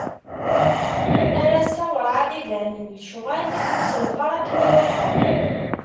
Ar ass-a, urεad i banen lecɣal n usenfar akken iwata.